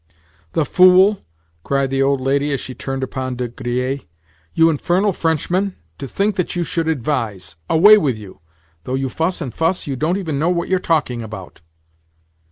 "The fool!" cried the old lady as she turned upon De Griers. "You infernal Frenchman, to think that you should advise! Away with you! Though you fuss and fuss, you don't even know what you're talking about."